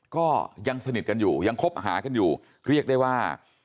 ก็ยังสนิทกันอยู่ยังคบหากันอยู่เรียกได้ว่า